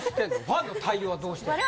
ファンの対応はどうしてんの？